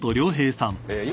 今。